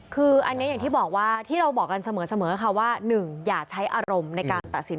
คืออย่างที่เราบอกกันเสมอว่า๑อย่าใช้อารมณ์ในการตัดสิน